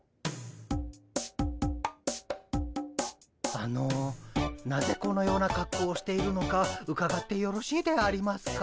あのなぜこのようなかっこうをしているのかうかがってよろしいでありますか？